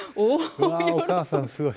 お母さんすごい。